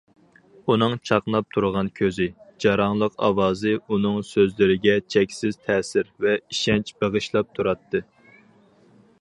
ئۇنىڭ چاقناپ تۇرغان كۆزى، جاراڭلىق ئاۋازى ئۇنىڭ سۆزلىرىگە چەكسىز تەسىر ۋە ئىشەنچ بېغىشلاپ تۇراتتى.